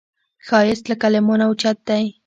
ښایست له کلمو نه اوچت دی